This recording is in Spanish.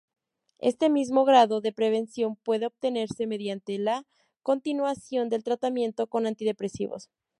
Este mismo grado de prevención puede obtenerse mediante la continuación del tratamiento con antidepresivos.